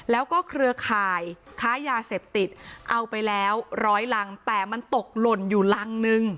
แล้วก็เครือข่ายค้ายาเสพติดเอาไปแล้วร้อยรังแต่มันตกหล่นอยู่รังนึง